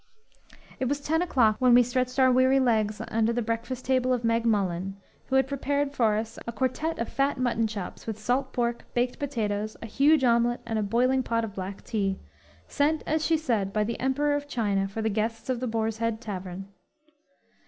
_ It was ten o'clock when we stretched our weary legs under the breakfast table of Meg Mullen, who had prepared for us a quartette of fat mutton chops, with salt pork, baked potatoes, a huge omelet and a boiling pot of black tea, sent, as she said, by the Emperor of China for the guests of the Boar's Head Tavern!